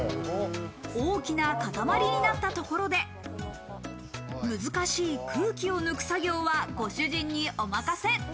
大きな塊になったところで、難しい空気を抜く作業はご主人におまかせ。